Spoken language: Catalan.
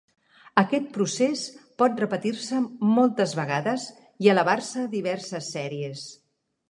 Aquest procés pot repetir-se moltes vegades i elevar-se diverses sèries.